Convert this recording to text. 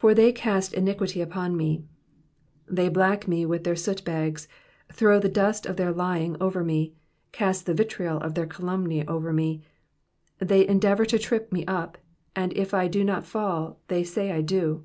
^''For they cast iniquity upon wie," they black me with their sootbags, throw the dust of their lying over me, cast the vitriol of their calumny over me. They endeavour to trip me up, and if I do not fall they say I do.